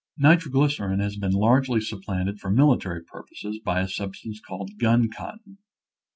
Nitroglycerin has been largely supplanted for military purposes by a substance called gun cotton.